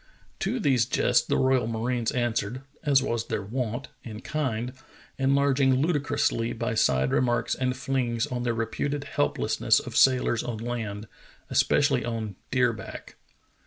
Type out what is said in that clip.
To these jests the royal marines answered, as was their wont, in kind, enlarging ludicrously by side remarks and flings on the reputed helplessness of sailors on land, especially on deer back.